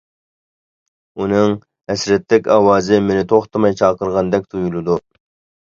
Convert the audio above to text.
ئۇنىڭ ھەسرەتلىك ئاۋازى مېنى توختىماي چاقىرغاندەك تۇيۇلىدۇ.